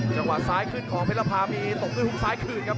จังหวะซ้ายขึ้นของเพชรภามีตกด้วยฮุกซ้ายคืนครับ